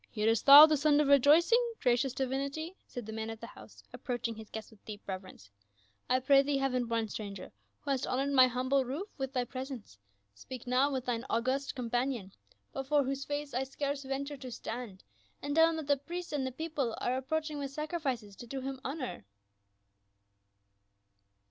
" Hearest thou the sound of rejoicing, gracious di\init>%" said the man of the house, approaching his guests with deep reverence. " I pray thee, heaven bom stranger, who hast honored m\' humble roof witli A MESSEyOEB OF THE MOST HIGH. 297 thy presence, speak now with thine august companion — before whose face I scarce venture to stand, and tell him that the priests and the people are approaching with sacrifices to do him honor."